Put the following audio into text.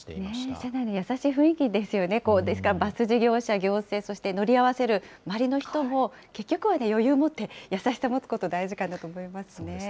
車内の優しい雰囲気ですよね、ですから、バス事業者、それから行政、そして乗り合わせる周りの人も、結局は余裕を持って、優しさを持つこと大事かなと思いますね。